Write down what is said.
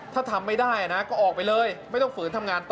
ถ้าทำไม่ได้นะก็ออกไปเลยไม่ต้องฝืนทำงานต่อ